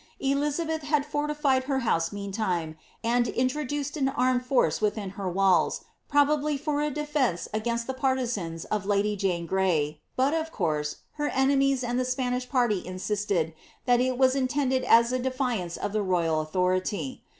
Elizabeth had fortitied her house meantime, and introduced an armed force within her walls, probably for a defence against the partisans of lady Jane Gray, but, of course, her enemies and the Spanish party in sisted that it was intended as a defiance to the royal authority.